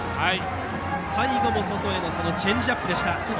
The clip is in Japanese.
最後も外へのチェンジアップでした。